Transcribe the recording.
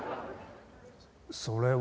それは。